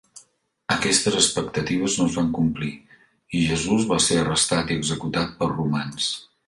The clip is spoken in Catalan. Aquestes expectatives no es van complir, i Jesús va ser arrestat i executat pels romans.